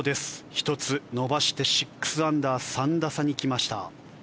１つ伸ばして６アンダー３打差に来ました。